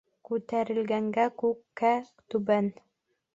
Күтәрелгәнгә күк гә түбән.